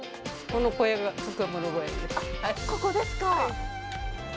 ここですか。